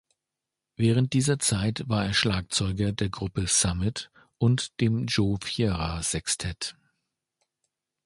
Während dieser Zeit war er Schlagzeuger der Gruppe „Summit“ und dem Joe Viera Sextett.